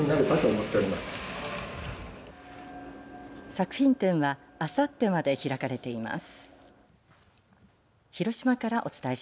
作品展はあさってまで開かれています。